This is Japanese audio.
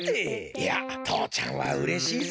いやとうちゃんはうれしいぞ。